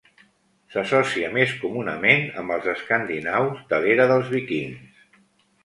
S'associa més comunament amb els escandinaus de l'era dels vikings.